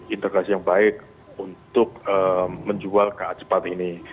integrasi yang baik untuk menjual ka cepat ini